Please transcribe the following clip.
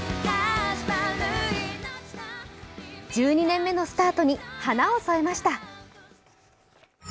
１２年目のスタートに華を添えました。